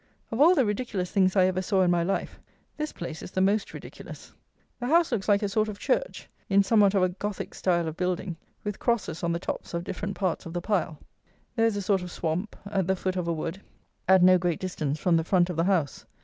Of all the ridiculous things I ever saw in my life this place is the most ridiculous. The house looks like a sort of church, in somewhat of a gothic style of building, with crosses on the tops of different parts of the pile. There is a sort of swamp, at the foot of a wood, at no great distance from the front of the house.